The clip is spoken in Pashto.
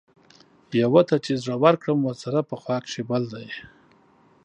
يو ته چې زړۀ ورکړم ورسره پۀ خوا کښې بل دے